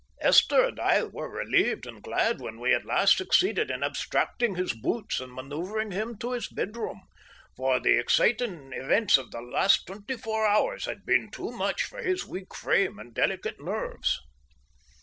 Esther and I were relieved and glad when we at last succeeded in abstracting his boots and manoeuvring him to his bedroom, for the exciting events of the last twenty four hours had been too much for his weak frame and delicate nerves.